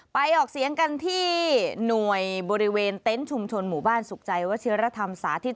ออกเสียงกันที่หน่วยบริเวณเต็นต์ชุมชนหมู่บ้านสุขใจวัชิรธรรมสาธิต